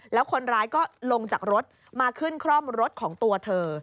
แล้วคนร้ายก็ลงจากรถมาขึ้นคร่อมรถของตัวเธอ